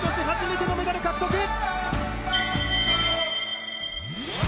初めてのメダル獲得。